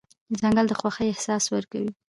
ځنګل د خوښۍ احساس ورکوي.